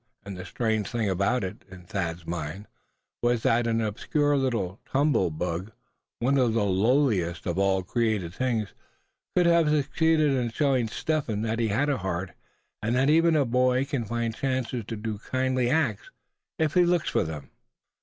And the strange thing about it, in Thad's mind, was that an obscure little tumble bug, one of the lowliest of all created things, could have succeeded in showing Step Hen that he had a heart; and that even a boy can find chances to do kindly acts, if he looks for them.